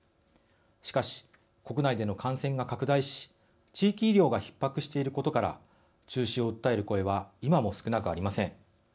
しかし、国内での感染が拡大し地域医療がひっ迫していることから中止を訴える声は今も少なくありません。